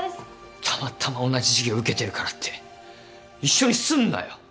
たまたま同じ授業受けてるからって一緒にすんなよ。